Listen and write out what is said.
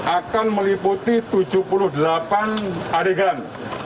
akan meliputi tujuh puluh delapan adegan